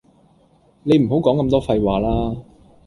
你唔好講咁多廢話啦